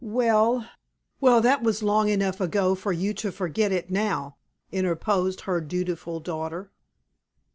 "Well, well, that was long enough ago for you to forget it now," interposed her dutiful daughter.